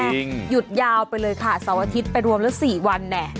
ก็จริงหยุดยาวไปเลยค่ะเสาร์อาทิตย์ไปรวมละสี่วันเนี่ย